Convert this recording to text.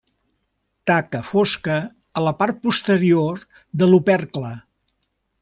Taca fosca a la part posterior de l'opercle.